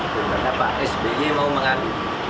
karena pak sby mau mengadu